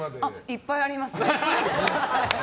いっぱいありますよ。